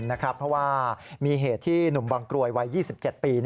เพราะว่ามีเหตุที่หนุ่มบางกรวยวัย๒๗ปี